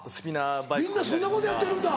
みんなそんなことやってるんだ。